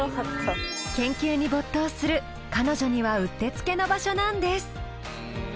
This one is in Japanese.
研究に没頭する彼女にはうってつけの場所なんです。